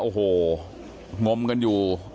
โอ้โหงมกันอยู่